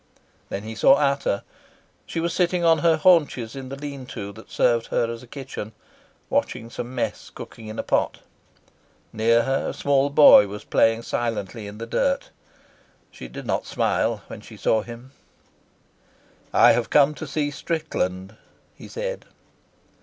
Then he saw Ata. She was sitting on her haunches in the lean to that served her as kitchen, watching some mess cooking in a pot. Near her a small boy was playing silently in the dirt. She did not smile when she saw him. "I have come to see Strickland," he said.